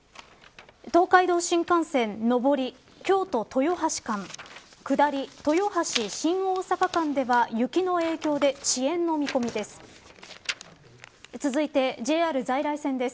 東海道新幹線上り京都、豊橋間下り、豊橋、新大阪間では雪の影響で遅延の見込みです。